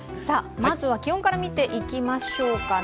まずは気温から見ていきましょうかね。